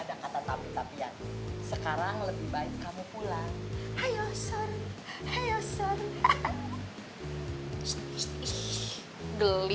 ada kata tapi tapi yang sekarang lebih baik kamu pulang ayo sorry hey yo sorry shhh deli